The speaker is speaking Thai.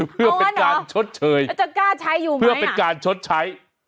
เพื่อเป็นการชดเชยเพื่อเป็นการชดใช้